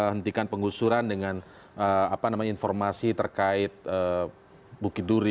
hentikan pengusuran dengan informasi terkait dukid duri